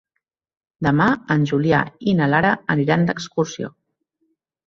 Demà en Julià i na Lara aniran d'excursió.